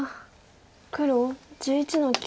黒１１の九。